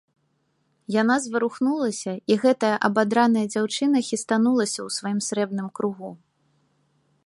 Яна зварухнулася, і гэтая абадраная дзяўчына хістанулася ў сваім срэбным кругу.